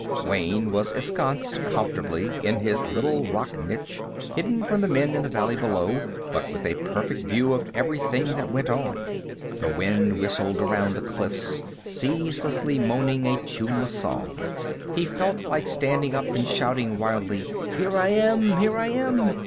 Wayne was ensconced comfortably in his little rock niche, hidden from the men in the valley below, but with a perfect view of everything that went on. The wind whistled around the cliffs, ceaselessly moaning a tuneless song. He felt like standing up and shouting wildly, "Here I am! Here I am!"